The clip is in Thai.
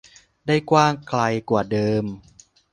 ได้กว้างไกลกว่าเดิม